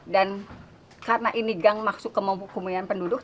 dan karena ini gang maksud kemungkinan penduduk